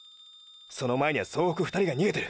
その前にゃ総北２人が逃げてる。